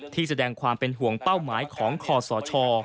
ที่แสดงความเป็นห่วงเป้าหมายของคอสช